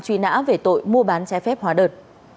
truy nã về tội mua bán trái phép hóa đơn